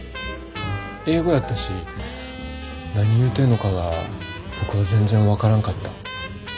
英語やったし何言うてんのかは僕は全然分からんかった。